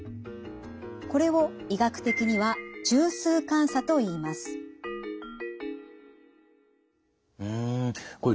これを医学的には中枢感作といいます。